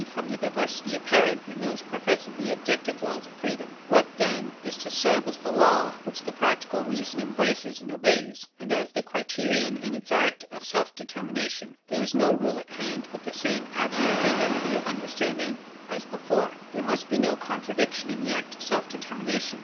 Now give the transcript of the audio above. from the diversity apparent in those pro fessedly objective laws of freedom. 54.] What, then, is to serve as the law which the Practical Reason embraces and obeys, and as the criterion in its act of self determination ? There is no rule at hand but the same abstract identity of under standing as before : There must be no contradiction in the act of self determination.